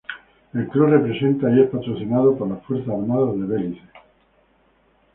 El club representa y es patrocinado por las Fuerzas Armadas de Belice.